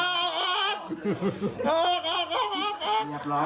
พี่ไทยเขียบแล้วเสร็จแล้ว